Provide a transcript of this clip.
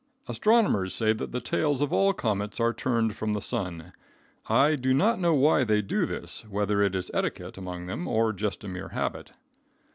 Astronomers say that the tails of all comets are turned from the sun. I do not know why they do this, whether it is etiquette among them or just a mere habit.